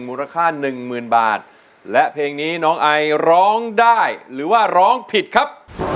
มูลค่าหนึ่งหมื่นบาทและเพลงนี้น้องไอร้องได้หรือว่าร้องผิดครับ